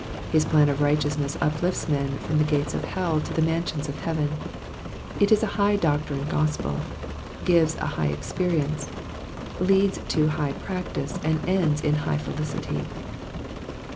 His plan of righteousness uplifts men from the gates of hell to the mansions of heaven. It is a high doctrine gospel, gives a high experience, leads to high practice, and ends in high felicity.